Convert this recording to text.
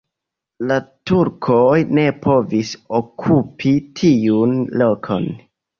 La turkoj ne povis okupi tiun lokon.